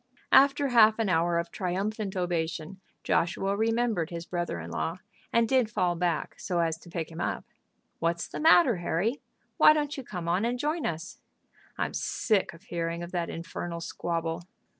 After half an hour of triumphant ovation, Joshua remembered his brother in law, and did fall back so as to pick him up. "What's the matter, Harry? Why don't you come on and join us?" "I'm sick of hearing of that infernal squabble."